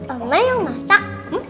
oma yang masak